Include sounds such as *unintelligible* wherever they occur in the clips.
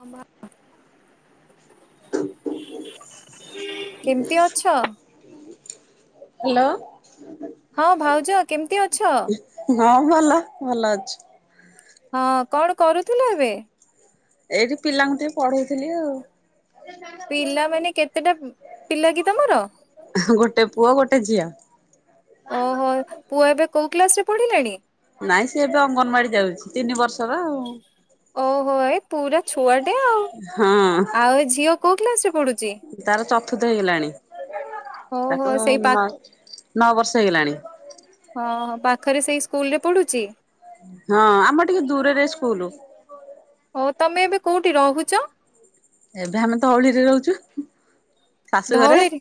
*unintelligible* କେମତି ଅଛ? ହ୍ୟାଲୋ। ହଁ ଭାଉଜ କେମିତି ଅଛ? ହଁ ଭଲ ଭଲ ଅଛି। ହଁ କଣ କରୁଥିଲ ଏବେ? ଏଇଠି ପିଲାଙ୍କୁ ଟିକେ ପଢଉଥିଲି ଆଉ। ପିଲାମାନେ କେତେଟା ପିଲା କି ତମର? ଗୋଟେ ପୁଅ ଗୋଟେ ଝିଅ। ଓହୋ ପୁଅ ଏବେ କୋଉ କ୍ଲାସ ରେ ପଢିଲାଣି? ନାଇଁ ସେ ଏବେ ଅଙ୍ଗନବାଡି ଯାଉଛି ତିନି ବର୍ଷର ଆଉ। ଓହୋ ଏ ପୁରା ଛୁଆଟେ ଆଉ ହଁ। ଆଉ ଏ ଝିଅ କୋଉ କ୍ଲାସ ରେ ପଢୁଛି? ତାର ଚତୁର୍ଥ ହେଇଗଲାଣି ଓହୋ ତାକୁ ସେଇ ପା ନ-ନଅ ବର୍ଷ ହେଇଗଲାଣି। ହଁ ପାଖରେ ସେଇ ସ୍କୁଲ୍ ରେ ପଢୁଛି। ହଁ ଆମର ଟିକେ ଦୂରରେ ସ୍କୁଲ୍। ହଉ ତମେ ଏବେ କୋଉଠି ରହୁଛ? ଏବେ ଆମେ ତ ଧଉଳିରେ ରହୁଛୁ। ଶାଶୁ ଘରେ। ଧଉଳିରେ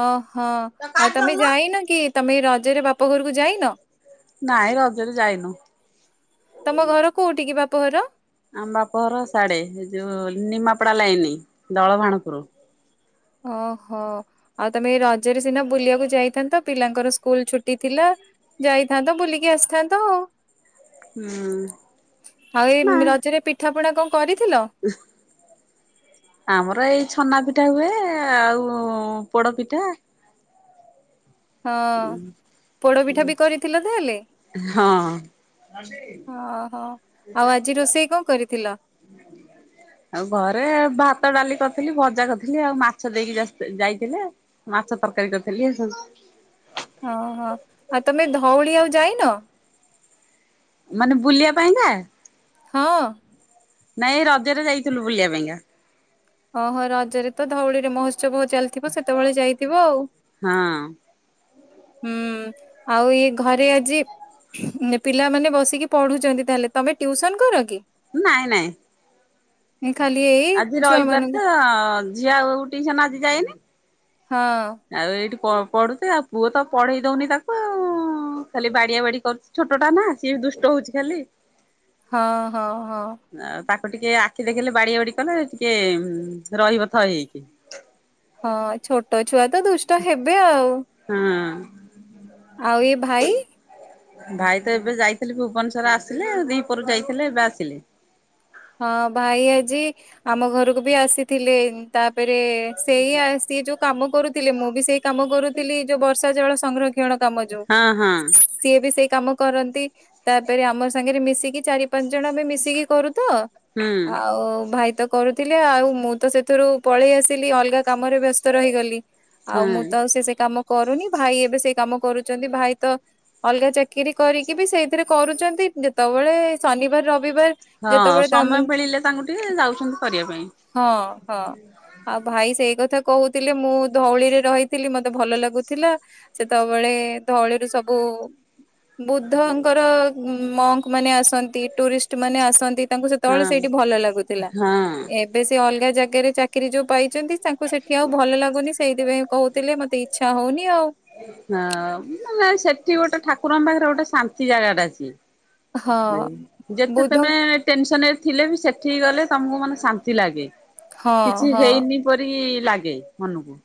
ଓହୋ ଆଉ ତମେ ଯାଇନ କି ତମେ ଏ ରଜରେ ବାପ ଘରକୁ ଯାଇନ। ନାଇଁ ରଜରେ ଯାଇନୁ। ତମ ଘର କୋଉଠି କି ବାପ ଘର? ଆମ ବାପଘର ସାଢ଼େ ଏ ଯଉଁ ନିମାପଡ଼ା ଲାଇନ ଦଳଭାଣପୁରୁ। ଓହୋ। ଆଉ ତମେ ଏ ରଜରେ ସିନା ବୁଲିବାକୁ ଯାଇଥାନ୍ତ ପିଲାଙ୍କର ସ୍କୁଲ୍ ଛୁଟି ଥିଲା। ଯାଇଥାନ୍ତ ବୁଲିକି ଆସିଥାନ୍ତ ଆଉ ହୁଁ ଆଉ ଏଇ ରଜରେ ପିଠା ପଣା କଣ କରିଥିଲ? ଉହ୍ ଆମର ଏଇ ଛନା ପିଠା ହୁଏ ଆଉ ପୋଡ଼ ପିଠା। ହଁ ପୋଡ଼ପିଠା ବି କରିଥିଲ ତାହେଲେ। ହଁ। ହଁ ହୋ ଆଉ ଆଜି ରୋଷେଇ କଣ କରିଥିଲ? ଆଉ ଘରେ ଭାତ ଡାଲି କରିଥିଲି ଭଜା କରିଥିଲି ଆଉ ମାଛ ଦେଇକି ଯାଇଥିଲେ। ମାଛ ତରକାରୀ କରିଥିଲି ଏ ସବୁ। ଓହୋ ଆଉ ତମେ ଧଉଳି ଆଉ ଯାଇନ। ମାନେ ବୁଲିବା ପାଇଁକା। ହଁ। ନାଇଁ ରଜରେ ଯାଇଥିଲୁ ବୁଲିବା ପାଇଁକା। ଓହୋ ରଜରେ ତ ଧଉଳିରେ ମହୋତ୍ସବ ଚାଲିଥିବ ସେତେବେଳେ ଯାଇଥିବ ଆଉ। ହଁ। ହୁଁ ଆଉ ଇଏ ଘରେ ଆଜି ପିଲାମାନେ ବସିକି ପଢୁଛନ୍ତି ତାହେଲେ, ତମେ ଟ୍ୟୁସନ କର କି? ନାଇଁ ନାଇଁ ଖାଲି ଏଇ ଆଜି ଛୁଆ ମାନଙ୍କୁ ରଇବାର୍ ତ ଝିଅ ଆଉ ଟିଇସନ ଆଜି ଯାଇନି ହଁ। ଆଉ ଏଇଠି ପଢୁଛି ଆଉ ପୁଅ ତ ପଢେଇ ଦଉନି ତାକୁ ଉଁ ହଁ ଖାଲି ବାଡି଼ଆ ବାଡି଼ କରୁଛି ଛୋଟ ନା ସିଏ ବି ଦୁଷ୍ଟ ହଉଛି ଖାଲି। ହଁ ହଁ ହଁ ଆଉ ତାକୁ ଟିକେ ଆଖି ଦେଖିଲେ ବାଡିଆ ବାଡି କଲେ ଟିକେ ରହିବ ଥଇ ହେଇକି। ହଁ ଛୋଟ ଛୁଆ ତ ଦୁଷ୍ଟ ହେବେ ଆଉ ହଁ। ଆଉ ଏ ଭାଇ। ଭାଇ ତ ଏବେ ଯାଇଥିଲି ଭୁବନେଶ୍ୱର ଆସିଲେ ଦିପହରୁ ଯାଇଥିଲେ ଏବେ ଆସିଲେ। ହଁ ଭାଇ ଆଜି ଆମ ଘରକୁ ବି ଆସିଥିଲେ। ତାପେରେ ସେଇ ସିଏ ଯୋଉ କାମ କରୁଥିଲେ ମୁଁ ବି ସେଇ କାମ କରୁଥିଲି ଯୋଉ ବର୍ଷା ଜଳ ସଂରକ୍ଷଣ କାମ ଯୋଉ ହଁ ହଁ ସିଏ ବି ସେଇ କାମ କରନ୍ତି ତାପେରେ ଆମ ସାଙ୍ଗରେ ମିଶିକି ଚାରି ପାଞ୍ଚ ଜଣ ଆମେ ମିଶିକି କରୁ ତ ହୁଁ ଆଉ ଭାଇ ତ କରୁଥିଲେ ଆଉ ମୁଁ ତ ସେଥିରୁ ପଳେଇ ଆସିଲି ଅଲଗା କାମରେ ବ୍ୟସ୍ତ ରହିଗଲି ଆଉ ହଁ ମୁଁ ତ ସେ ସେ କାମ କରୁନି ଭାଇ ଏବେ ସେଇ କାମ କରୁଛନ୍ତି ଭାଇ ତ ଅଲଗା ଚାକିରି କରିକି ବି ସେଇଥିରେ କରୁଛନ୍ତି ଯେତେବେଳେ ଶନିବାର୍ ରବିବାର୍। ହଁ ସମୟ ପିଳିଲେ ତାଙ୍କୁ ଟିକେ ଯାଉଛନ୍ତି କରିବା ପାଇଁ। ହଁ ହଁ। ଆଉ ଭାଇ ସେଇ କଥା କହୁଥିଲେ ମୁଁ ଧଉଳିରେ ରହିଥିଲି ମତେ ଭଲ ଲାଗୁଥିଲା ସେତବେଳେ ଧଉଳିରୁ ସବୁ ବୁଦ୍ଧଙ୍କର ମଙ୍କ ମାନେ ଆସନ୍ତି ଟୁରିଷ୍ଟ ମାନେ ଆସନ୍ତି ତାଙ୍କ ସ ହଁ ତଳେ ସେଇଠି ଭଲ ଲାଗୁଥିଲା ହଁ। ଏ ବେଶୀ ଅଲଗା ଜାଗାରେ ଚାକିରି ଯୋଉ ପାଇଛନ୍ତି ତାଙ୍କୁ ସେଠି ଆଉ ଭଲ ଲାଗୁନି ସେଇଥିପାଇଁ କହୁଥିଲେ ମତେ ଇଚ୍ଛା ହଉନି ଆଉ। ନାଁ ମାନେ ସେଠି ଗୋଟେ ଠାକୁରଙ୍କ ପାଖରେ ଗୋଟେ ଶାନ୍ତି ଜାଗାଟା ଅଛି। ହଁ ଯେତେ ବୁଦ୍ଧ ତମେ ଟେନସନରେ ଥିଲେ ବି ସେଠିକି ଗଲେ ତମକୁ ମନେ ଶାନ୍ତି ଲାଗେ ହଁ କିଛି ହଁ ହେଇନି ପରି ଲାଗେ ମନକୁ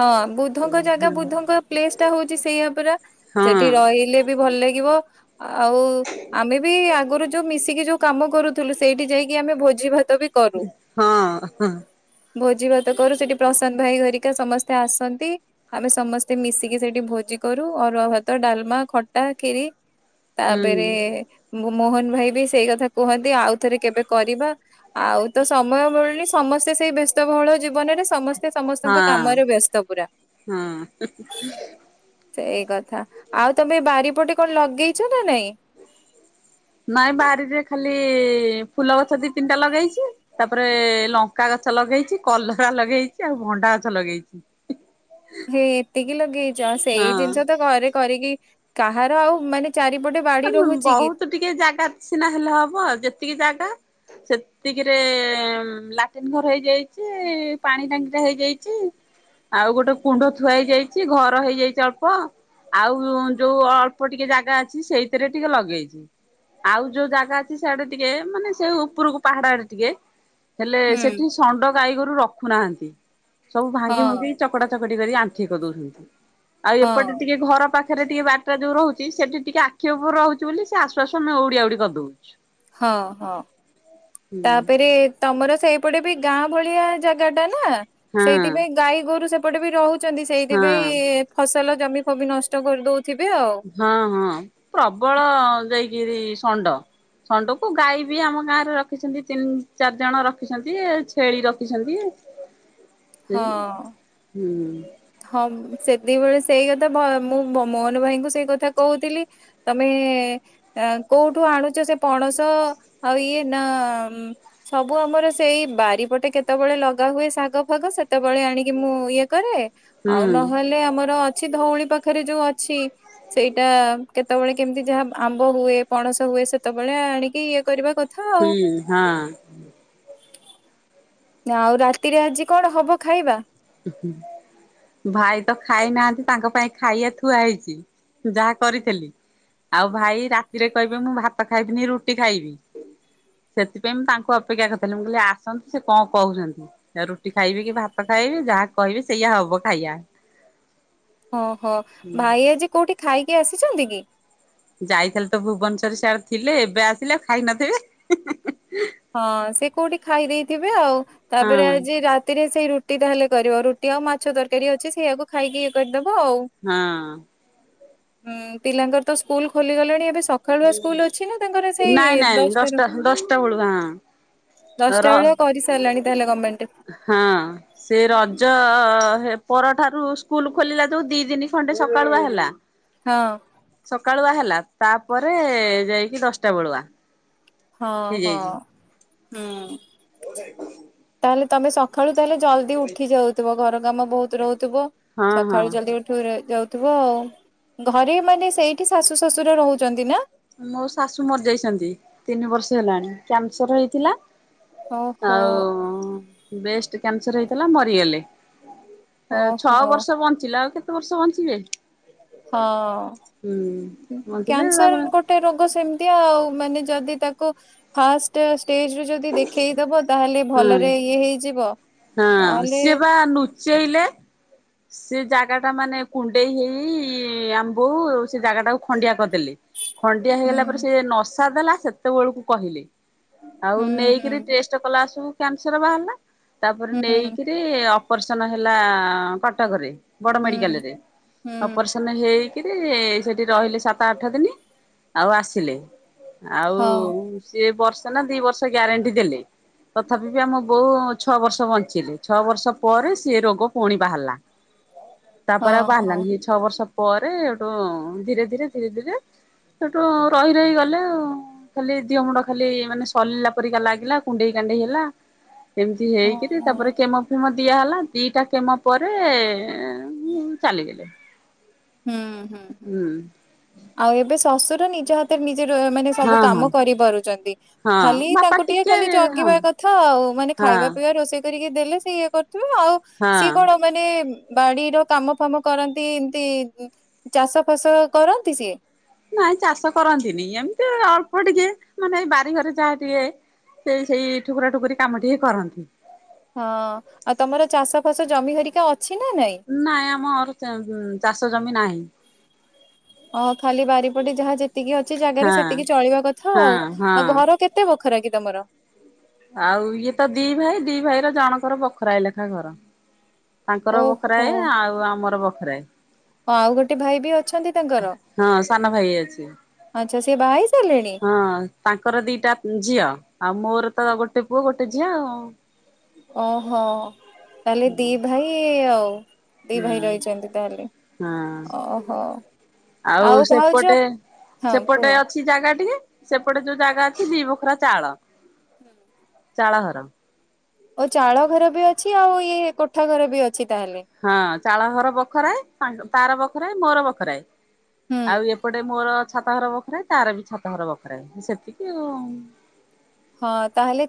ହଁ ବୁଦ୍ଧଙ୍କ ଜାଗା ବୁଦ୍ଧଙ୍କ ପ୍ଲେସ ଟା ହଉଛି ସେଇଆ ପରା। ହଁ ସେଠି ରହିଲେ ବି ଭଲ ଲାଗିବ ଆଉ ଆମେ ବି ଆଗରୁ ଯୋଉ ମିଶିକି ଯୋ କାମ କରୁଥିଲୁ ସେଇଠି ଯାଇକି ଆମେ ଭୋଜି ଭାତ ବି କରୁ ହଁ ହଁ। ଭୋଜି ଭାତ କରୁ ସେଠି ପ୍ରଶାନ୍ତ ଭାଇ ଘରିକା ସମସ୍ତେ ଆସନ୍ତି ଆମେ ସମସ୍ତେ ମିଶିକି ସେଇଠି ଭୋଜି କରୁ ଅରୁଆ ଭାତ, ଡାଲମା, ଖଟା, ଖିରି ହୁଁ ତାପେରେ ମୋ ମୋହନ ଭାଇ ବି ସେଇ କଥା କୁହନ୍ତି ଆଉଥରେ କେବେ କରିବା? ଆଉ ତ ସମୟ ମିଳୁନି ସମସ୍ତେ ସେଇ ବ୍ୟସ୍ତ ବହଳ ଯି ବନରେ ସମସ୍ତେ ହଁ ସମସ୍ତଙ୍କ କାମରେ ବ୍ୟସ୍ତ ପୁରା। ହଁ ସେଇ କଥା ଆଉ ତମେ ବାରିପଟେ କଣ ଲଗେଇଛ ନା ନାଇଁ? ନାଇଁ ବାରିରେ ଖାଲି ଫୁଲ ଗଛ ଦି ତିନିଟା ଲଗେଇଛି। ତାପରେ ଲଙ୍କା ଗଛ ଲଗେଇଛି କଲରା ଲଗେଇଛି ଆଉ ଭଣ୍ଡା ଗଛ ଲଗେଇଛି। ହେ ଏତିକି ଲଗେଇଛ ସେଇ ହଁ ଜିନିଷ ତ ଘରେ କରିକି କାହାର ଆଉ ମାନେ ଚାରିପଟେ ବାଡ଼ି ମାନେ ରହୁଛି କି? ବହୁତ ଟିକେ ଜାଗା ସିନା ହେଲେ ହବ ଯେତିକି ଜାଗା ସେତ୍ ତିକିରେ ଲାଟିନ ଘର ହେଇଯାଇଛି ପାଣି ଟାଙ୍କି ଟା ହେଇଯାଇଛି। ଆଉ ଗୋଟେ କୁଣ୍ଡ ଥୁଆ ହେଇଯାଇଛି ଘର ହେଇଯାଇଛି ଅଳ୍ପ। ଆଉ ଯୋଉ ଅଳ୍ପ ଟିକେ ଜାଗା ଅଛି ସେଇଥିରେ ଟିକେ ଲଗେଇଛି। ଆଉ ଯୋଉ ଜାଗା ଅଛି ସାଡେ ଟିକେ ମାନେ ସେଇ ଉପରକୁ ପାହାଡ ଆଡେ ଟିକେ ହେଲେ ହୁଁ ସେଠି ଷଣ୍ଡ ଗାଈଗୋରୁ ରଖୁନାହାନ୍ତି ସବୁ ଭାଙ୍ଗି ହଁ ଭୁଙ୍ଗି ଚକଟା ଚକଟି କରି ଆଣ୍ଠିଏ କରଦଉଛନ୍ତି ଆଉ ହଁ ଏପଟେ ଟିକେ ଘର ପା ଖରେ ଟିକେ ବାରିଟା ଯୋଉ ରହୁଛି ସେଠି ଟିକେ ଆଖି ଉପରେ ରହୁଛି ବୋଲି ସେ ଆସୁ ଆସୁ ଆମେ ଉଡିଆ ଉଡି କରିଦଉଛୁ। ହଁ ହଁ ହୁଁ। ତାପେରେ ତମର ସେଇପଟେ ବି ଗାଁ ଭଳିଆ ଜାଗା ଟା ନା ହଁ ସେଇଥିପାଇଁ ଗାଈ ଗୋରୁ ସେପଟେ ବି ରହୁ ଛନ୍ତି ହଁ ସେଇଥିପାଇଁ ଫସଲ ଜମି ଫୋମୀ ନଷ୍ଟ କରିଦଉଥିବେ ଆଉ। ହଁ ହଁ ପ୍ରବଳ ଯାଇକିରି ଷଣ୍ଡ। ଷଣ୍ଡକୁ ଗାଈ ବି ଆମ ଗାଁ ରେ ରଖିଛନ୍ତି ତିନି ଚାରି ଜଣ ରଖିଛନ୍ତି ଛେଳି ରଖିଛନ୍ତି। ସେଇଆ ହଁ। ହୁଁ। ହଁ ସେତିକି ବଳେ ସେଇ କଥା ଭା ମୁଁ ମୋହନ ଭାଇଙ୍କୁ ସେଇ କଥା କହୁଥିଲି ତମେ ଆ କୋଉଠୁ ଆଣୁଛ ସେ ପଣସ? ଆଉ ଇଏ ନା ସବୁ ଆମର ସେଇ ବାରିପଟେ କେତେବେଳେ ଲଗା ହୁଏ ଶାଗ ଫାଗ ସେତେବେଳେ ଆଣିକି ମୁଁ ଇଏ କରେ ହୁଁ ଆଉ ନହେଲେ ଆମର ଅଛି ଧଉଳି ପାଖରେ ଯୋଉ ଅଛି ସେଇଟା କେତେବେଳେ କେମିତି ଯାହା ଆମ୍ବ ହୁଏ ପଣସ ହୁଏ ସେତେବେଳେ ଆଣିକି ଇଏ କରିବା କ ହୁଁ ହଁ। ଆଉ ରାତିରେ ଆଜି କଣ ହବ ଖାଇବା? *inaudible* ଭାଇ ତ ଖାଇ ନାହାନ୍ତି ତାଙ୍କ ପାଇଁ ଖାଇଆ ଥୁଆ ହେଇଚି ଯାହା କରିଥିଲି। ଆଉ ଭାଇ ରାତିରେ କହିବେ ମୁଁ ଭାତ ଖାଇବିନି ରୁଟି ଖାଇବି। ସେଥିପାଇଁ ମୁଁ ତାଙ୍କୁ ଅପେକ୍ଷା କରିଥିଲି ମୁଁ କହିଲି ଆସନ୍ତୁ ସେ କଣ କହୁଚନ୍ତି। ରୁଟି ଖାଇବେ କି ଭାତ ଖାଇବେ ଯାହା କହିବେ ସେଇଆ ହବ ଖାଇଆ। ହଁ ହୋ ଭାଇ ଆଜି କୋଉଠି ଖାଇକି ଆସିଛନ୍ତି କି? ଯାଇଥିଲେ ତ ଭୁବନେଶ୍ୱରରେ ସିଆଡେ ଥିଲେ ଏବେ ଆସିଲେ ଖାଇ ନଥିବେ? ହଁ ସେ କୋଉଠି ଖାଇ ଦେଇଥିବେ ଆଉ ହଁ ତାପରେ ଆଜି ରାତିରେ ସେଇ ରୁଟି ରୁଟି ତାହେଲେ କରିବ ରୁଟି ଆଉ ମାଛ ତରକାରୀ ଅଛି ସେଇଆକୁ ଖାଇକି ଇଏ କରିଦବ ଆଉ। ହଁ। ଉଁ ପିଲାଙ୍କର ତ ସ୍କୁଲ ଖୋଲିଗଲାଣି ଏବେ ସକାଳୁଆ ସ୍କୁଲ ଅଛି ନା ତାଙ୍କର ସେଇ ନାଇଁ ନାଇଁ ଦଶଟାରୁ? ଦଶଟା *unintelligible* ର ଦଶଟା ବେଳେ କରିସାରିଲାଣି ତାହେଲେ ଗମେଣ୍ଟ। ହଁ। ସେ ରଜ ପରଠାରୁ ସ୍କୁଲ ଖୋଲିଲା ଯୋଉ ଦି ଦନି ଖଣ୍ଡେ ସକାଳୁଆ ହେଲା। ହଁ। ସକାଳୁଆ ହେଲା ତାପରେ ଯାଇକି ଦଶଟା ବେଳୁଆ। ହଁ ହଁ ହେଇଯାଇଛି। ହୁଁ। ତାହେଲେ ତମେ ସକାଳୁ ତାହେଲେ ଜଲ୍ ଯଦି ଉଠି ଯାଉଥିବ ଘର କାମ ବୋହୁତ ରହୁଥିବ ହଁ ହଁ ସକାଳୁ ଜଲଦି ଉଠି ଯାଉ ଆଉ ଘରେ ମାନେ ସେଇଠି ଶାଶୁ ଶ୍ୱଶୁର ରହୁଛନ୍ତି ନା? ମୋ ଶାଶୁ ମରିଯାଇଛନ୍ତି, ତିନି ବର୍ଷ ହେଲାଣି କ୍ୟାନସର ହେଇଥିଲା। ଓହୋ ଆଉ ବେଷ୍ଟ କ୍ୟାନସର ହେଇଥିଲା ମରିଗଲେ। ଛଅ ଓହୋ ବର୍ଷ ବଞ୍ଚିଲା ଆଉ କେତେ ବର୍ଷ ବଞ୍ଚିବେ। ହୁଁ। ହଁ ବଞ୍ଚିଲେ କ୍ୟାନସର ତାପରେ ଗୋଟ ଗୋଟେ ରୋଗ ସେମିତି ଆଉ ମାନେ ଯଦି ତାକୁ ଫାଷ୍ଟ ଷ୍ଟେଜରୁ ଯଦି ଦେଖେଇଦବ ତାହେଲେ ହଁ ଭଲରେ ଇଏ ହେଇଯିବ ନହେଲେ ସେଇଲେ। ସେ ଜାଗା ଟା ମାନେ କୁଣ୍ଡେଇ ହେଇ ଆମ୍ ବୋଉ ସେ ଜାଗା ଟାକୁ ଖଣ୍ଡିଆ କରିଦ ଖଣ୍ଡିଆ ହୁଁ ହେଇଗଲା ପରେ ସେ ନସା ଦେଲା ସେତେବେଳକୁ କହିଲେ। ଆଉ ହୁଁ ହୁଁ ନେଇକରି ଟେଷ୍ଟ କଲା ସବୁ କ୍ୟାନସର ବାହାରିଲା ତାପରେ ହୁଁ ନେଇକରି ସେ ଅପରେସନ ହେଲା କଟକରେ। ବଡ ମେଡିକାଲ ହୁଁ ରେ ହୁଁ ଅପରେସନ ହେଇ କି ସେଠି ରହିଲେ ସାତ ଆଠ ଦିନ ଆଉ ଆସିଲେ ଆଉ ହଉ ସିଏ ବର୍ଷେ ନା ଦି ବର୍ଷ ଗ୍ୟାରେଣ୍ଟି ଦେଲେ। ତଥାପି ବି ଆମ ବୋଉ ଛଅ ବର୍ଷ ବଞ୍ଚିଲେ, ଛଅ ବର୍ଷ ପରେ ସେଏ ରୋଗ ପୁଣି ବାହାରିଲା। ତାପରେ ହଉ ଆଉ ହଉ ବାହାରିଲାନି ସେ ଛଅ ବର୍ଷ ପରେ ଧୀରେ ଧୀରେ ଧୀରେ ଧୀରେ ସେଠୁ ରହି ରହି ଗଲେ ଆଉ। ଖାଲି ଦିଅ ମୁଣ୍ଡ ଖାଲି ମାନେ ସରିଲା ପରିକା ଲାଗିଲା କୁଣ୍ଡେଇ କା ହେଲା ଏମିତି ହଉ ହେଇକରି ହଉ ତାପରେ କେମ ମ ଦିଆହଲା ଦିଟା କେମ ପରେ ଚାଲିଗଲେ। ହୁଁ ହୁଁ ହୁଁ ଆଉ ଏବେ ଶ୍ୱଶୁର ନିଜ ହାତ ନିଜେ ମାନେ ହଁ ସବୁ ହଁ କାମ କରିପାରୁଚନ୍ତି। ହଁ ଖାଲି ବାପା ତାଙ୍କୁ ଟିକେ ଖାଲି ହଁ ଜଗିବା କଥା ଆଉ ମାନେ ହଁ ଖାଇବା ପିଇବା ରୋଷେଇ କରିକି ଦେଲେ ସି ଇଏ କରୁଥିବ ଆଉ ସିଏ ହଁ କଣ ମାନେ ବାଡିର କାମ ଫାମ କରନ୍ତି ଏମତି ଚାଷ ଫାସ କରନ୍ତି ସିଏ? ନାଇଁ ଚାଷ କରନ୍ତିନି ଏମିତି ଅଳ୍ପ ଟିକେ ମାନେ ବାରିଘରେ ଯାହା ଟିକେ ସେ ସେଇ ଠୁକୁରା ଠୁକୁରି କାମଟି ହି କରନ୍ତି। ହଁ ଆଉ ତମର ଚାଷ ଫାସ ଜମି ହରିକା ଅଛି ନା ନାଇଁ? ନାଏ ଆମର ଚାଷ ଚାଷ ଜମି ନାହିଁ। ଓ ଖାଲି ବାରିପଟେ ଯାହା ଯେତିକି ଅଛି ଜାଗାରେ ହଁ ସେତିକି ଚଳିବା କଥା ଆଉ ହଁ ହଁ ଆଉ ଘର କେତ୍ କେତେ ବଖରା କି ତମର? ଆଉ ଇଏ ତ ଦି ଭାଇ ଦି ଭାଇ ର ଜଣଙ୍କର ବଖରା ଏ ଲେଖା ଘର। ତାଙ୍କର ଓହୋ ବଖରାଏ ଆଉ ଆମର ବଖରାଏ। ଆଉ ଗୋଟେ ଭାଇ ବି ଅଛନ୍ତି ତାଙ୍କର ହଁ ସାନ ଭାଇ ଅଛି। ଆଛା ସେ ବାହା ହେଇ ସାରିଲେଣି। ହଁ ତାଙ୍କର ଦିଟା ଝିଅ ଆଉ ମୋର ତ ଗୋଟେ ପୁଅ ଗୋଟେ ଝିଅ ଆଉ। ଓହୋ ତାହେଲେ ଦି ଭାଇ ଆଉ। ଦି ହୁଁ ଭାଇ ରହିଛନ୍ତି ତାହେଲେ ହଁ ଓହୋ। ଆଉ ସେପଟେ ହଁ କୁହ ସେପଟେ ଅଛି। ଚି ଜାଗା ଟିକେ ସେପଟେ ଯୋଉ ଜାଗା ଅଛି ଦି ବୋଖରା ଚାଳ। ହୁଁ। ଚାଳଘର। ଓ ଚାଳ ଘର ବି ଅଛି ଆଉ ଇଏ କୋଠା ଘର ବି ଅଛି ତାହେଲେ। ହଁ ଚାଳ ଘର ବଖରାଏ ତାର ବଖରାଏ ମୋର ବଖରାଏ। ହୁଁ ଆଉ ଏପଟେ ମୋର ଛାତଘର ବଖରାଏ ତାର ବି ଛାତଘର ବଖରାଏ ସେତିକି ଆଉ। ହଁ ତାହେଲେ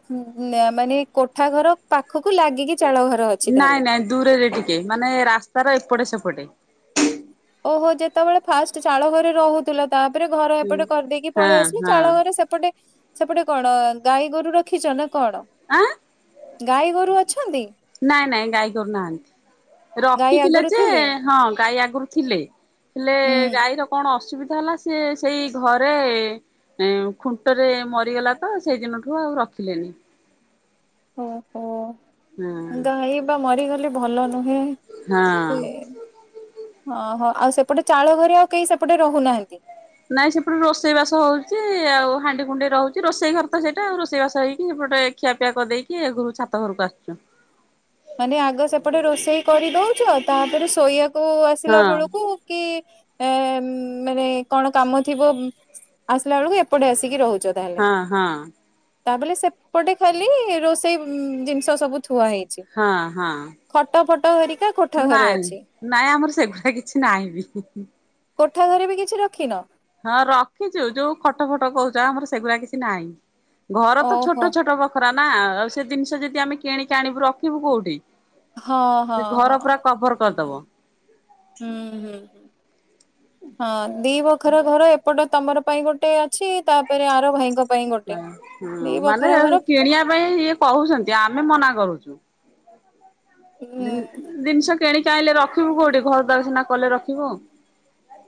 ମାନେ କୋଠା ଘର ପାଖକୁ ଲାଗିକି ଚାଳଘର। ନାଇଁ ନାଇଁ ଦୂରରେ ଟିକେ ମାନେ ରାସ୍ତାର ଏପଟେ ସେପଟେ। ଓହୋ ଯେତେବେଳେ ଫାଷ୍ଟ ଚାଳ ଘରେ ରହୁଥିଲ। ତାପରେ ଘର ହୁଁ। ଏପଟେ କରିଦେଇକି ପଳେଇ ହଁ ଆସିଲି ହଁ ଚାଳ ଘରେ ସେପଟେ। ସେପଟେ କଣ ଗାଈ ଗୋରୁ ରଖିଛ ନା କଣ ଆଁ ଗାଈ ଗୋରୁ ଅଛନ୍ତି। ନାଇଁ ନାଇଁ ଗାଈ ଗୋରୁ ନାହାନ୍ତି ଗାଈ ରଖିଥିଲେ ଆଗରୁ ଯେ ଥିଲେ ହଁ ଗାଈ ଆଗରୁ ଥିଲେ। ହେଲେ ହୁଁ ଗାଈର କଣ ଅସୁବିଧା ହେଲା ସେ ସେଇ ଘରେ ଖୁଣ୍ଟରେ ମରିଗଲା ତ ସେଇଦିନଠୁ ଆଉ ରଖିଲେନି। ଓହୋ। ହଁ ଗାଈ ବା ମରିଗଲେ ଭଲ ନୁହେଁ ସେ ହଁ। ଅ ହ ଆଉ ସେପଟେ ଚାଳ ଘରେ ଆଉ କେହି ସେପଟେ ରହୁନାହାନ୍ତି। ନାଇଁ ସେପଟେ ରୋଷେଇ ବାସ ହଉଛି ଆଉ ହାଣ୍ଡି କୁଣ୍ଡି ରହୁଛି ରୋଷେଇ ଘର ତ ସେଇଟା ଆଉ ରୋଷେଇ ବାସ ହେଇକି ସେପଟେ ଖିଆପିଆ କରି ଦେଇକି ଏ ଘରୁ ଛାତ ଘରକୁ ଆସୁଛୁ। ମାନେ ଆଗ ସେପଟେ ରୋଷେଇ କରିଦଉଛ ତାପରେ ଶୋଇବାକୁ ହଁ ଆସିଲା ବେଳକୁ କି ମାନେ କଣ କାମ ଥିବ। ଆସିଲା ବେଳକୁ ଏପଟେ ଆସିକି ରହୁଛ। ହଁ ହଁ। ତାପରେ ସେପଟେ ଖାଲି ରୋଷେଇ ଜିନିଷ ସବୁ ଥୁଆ ହେଇଛି। ହଁ ହଁ। ଖଟ ଫଟ ହରିକା। ନାଇଁ ନାଇଁ ଆମର ସେଗୁଡା କିଛି ନାହିଁ ବି। କୋଠା ଘରେ ବି କିଛି ରଖିନ। ହଁ ରଖିଛୁ ଯୋଉ ଖଟ ଫଟ କହୁଛ ଆମର ସେଗୁଡା କିଛି ନାହିଁ ଘର ତ ଓହୋ। ଛୋଟ ଛୋଟ ବ ଖରା ନା ଆଉ ସେ ଜିନିଷ ଯଦି ଆମେ କିଣିକି ଆଣିବୁ ରଖିବୁ କୋଉଠି। ହଁ ହଁ ସେ ହଁ ଘର ପୁରା କଭର କରିଦବ। ହୁଁ ହୁଁ ହଁ ଦି ବଖରା ଘର ଏପଟେ ତମର ପାଇଁ ଗୋଟେ ଅଛି ତାପରେ ଆର ଭାଇଙ୍କ ପାଇଁ ଗୋଟେ। ହଁ ହୁଁ ଦି ମାନେ ବଖରା ଘର କିଣିବା ପାଇଁ ଇଏ କହୁଛନ୍ତି ଆମେ ମନା କରୁଛୁ। ଉଁ ଜିନିଷ କିଣିକି ଆଇଁଲେ ରଖିବୁ କୋଉଠି ଘର ଦ୍ବାର ସିନା କଲେ ରଖିବୁ।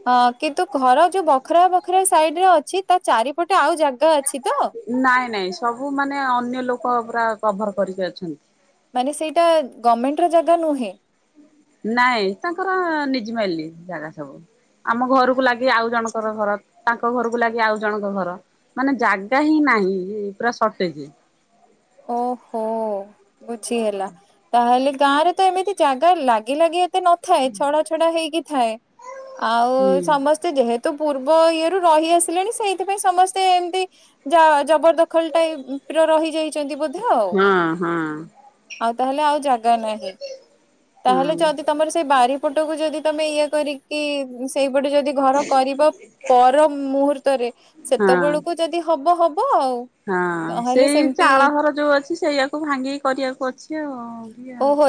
ହଁ କିନ୍ତୁ ଘର ଯୋଉ ବଖରା ବଖରେ ସାଇଡି ରେ ଅଛି ତା ଚାରିପଟେ ଆଉ ଜାଗା ଅଛି ତ? ନାଇଁ ନାଇଁ ସବୁ ମାନେ ଅନ୍ୟ ଲୋକ ପୁରା କଭର କରିକି ଅଛନ୍ତି। ମାନେ ସେଇଟା ଗଭର୍ଣମେଣ୍ଟ ର ଜାଗା ନୁହେଁ। ନାଇଁ ତାଙ୍କର ନିଜ୍‌ ମାଇଲି ଜାଗା ସବୁ। ଆମ ଘରକୁ ଲାଗି ଆଉ ଜଣଙ୍କର ଘର ତାଙ୍କ ଘରକୁ ଲାଗି ଆଉ ଜଣଙ୍କ ଘର। ମାନେ ଜାଗା ହିଁ, ନାହିଁ ପୁରା ସଟେଜେ। ଓହୋ! ବୁଝି ହେଲା ତା, ହେଲେ ଗାଁରେ ତ ଏମିତି ଜାଗା ଲାଗି ଲାଗି ତ ନଥାଏ ଛଡା ଛଡା ହେଇକି ଥାଏ। ଆଉ, ହୁଁ ସମସ୍ତ ଯେହେତୁ ପୂର୍ବ ଇଏ ରୁ ରହି ଆସିଲେଣି, ସେଇଥିପାଇଁ ସମସ୍ତେ ଏମିତି ଯା, ଜବରଦଖଲ ଟାଇ ପ୍ ରହିଯାଇ ଚନ୍ତି ବୋଧ ଆଉ। ହଁ ହଁ ଆଉ, ତାହେଲେ ଆଉ ଜାଗା ନାହିଁ। ହଁ ତାହେଲେ, ଯଦି ତମର ସେଇ ବାରିପଟକୁ ଯଦି ତମେ ଇଏ କରିକି ସି ଏଇପଟେ ଯଦି ଘର କରିବ! ପର ମୁହୂର୍ତ୍ତରେ, ହଁ। ସେତେବେଳକୁ ଯଦି ହବ ହବ ଆଉ। ହଁ, ନହେଲେ ସେଇ ସେମିତି ଚାଳ ଘର ଯୋଉ ଅଛି। ସେଇଆାକୁ ଭାଙ୍ଗିକି କରିବାକୁ ଅଛି ଆଉ। *unintelligible* ଓହୋ